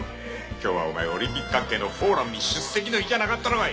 今日はお前オリンピック関係のフォーラムに出席の日じゃなかったのかい。